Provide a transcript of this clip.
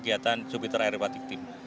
kegiatan jupiter aerobatic team